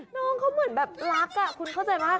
น้องเขาเหมือนแบบรักคุณเข้าใจไหม